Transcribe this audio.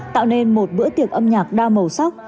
tạo nên một bữa tiệc âm nhạc đa màu sắc